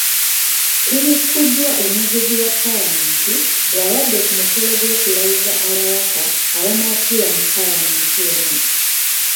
Kibikuddwa omwogezi wa Paalamenti bw’abadde ku mukolo gw’okulayiza ababaka abanaatuula mu Paalamenti eno.